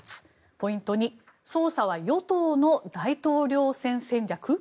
ポイント２捜査は与党の大統領選戦略？